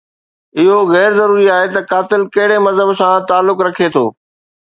اهو غير ضروري آهي ته قاتل ڪهڙي مذهب سان تعلق رکي ٿو.